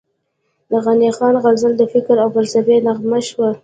د غني خان غزل د فکر او فلسفې نغمه شوه،